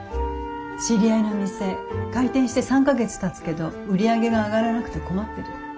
知り合いのお店開店して３か月たつけど売り上げが上がらなくて困ってる。